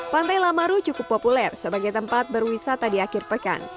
pantai lamaru cukup populer sebagai tempat berwisata di akhir pekan